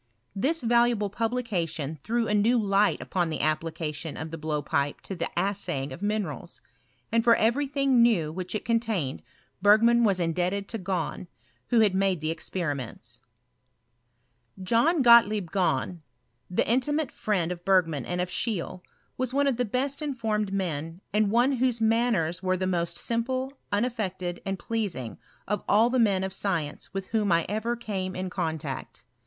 This valuable publication threw a new light upon the application of the blowpipe to the assaying of minerals; and for every thing new which it contained Bei^roan wa» indebted to Gahn, who had made the experim^ts, John Gottlieb Gahn, the intimate friend of Berg man and of Scheele, was one of the best informed men, and one whose manners were the most simple, uoaiFected, and pleasing, of all the men of science with whom I ever came in contact.